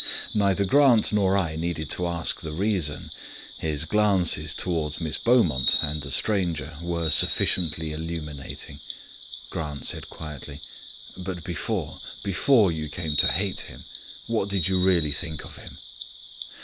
Neither Grant nor I needed to ask the reason; his glances towards Miss Beaumont and the stranger were sufficiently illuminating. Grant said quietly: "But before before you came to hate him, what did you really think of him?"